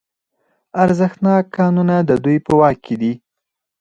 ارزښتناک کانونه د دوی په واک کې دي